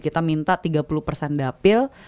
kita minta tiga puluh persen dapil